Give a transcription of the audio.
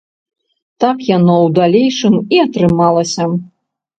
Так яно ў далейшым і атрымалася.